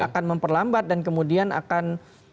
akan memperlambat dan kemudian akan